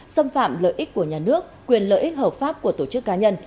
xâm phạm lợi ích của nhà nước quyền lợi ích hợp pháp của tổ chức cá nhân